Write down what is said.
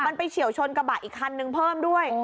มันไปเฉียวชนกระบะอีกคันนึงเพิ่มด้วย